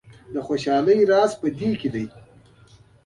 د خوشحالۍ راز په دې کې دی.